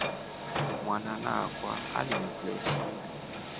Mwanana akwa alimleshi.